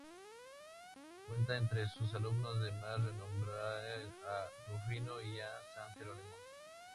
Cuenta entre sus alumnos de más renombre a Rufino y a san Jerónimo.